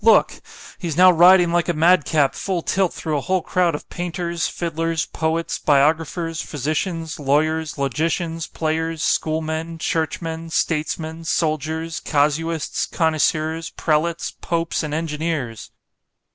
—look—he's now riding like a mad cap full tilt through a whole crowd of painters, fiddlers, poets, biographers, physicians, lawyers, logicians, players, school men, churchmen, statesmen, soldiers, casuists, connoisseurs, prelates, popes, and engineers.